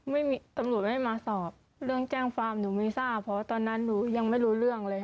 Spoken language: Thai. ไม่มีตำรวจไม่มาสอบเรื่องแจ้งความหนูไม่ทราบเพราะตอนนั้นหนูยังไม่รู้เรื่องเลย